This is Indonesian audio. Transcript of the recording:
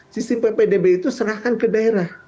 sistem ppdb itu serahkan ke daerah